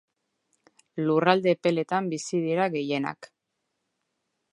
Lurralde epeletan bizi dira gehienak.